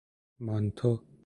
مانتو